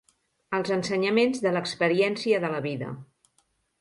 Els ensenyaments de l'experiència de la vida.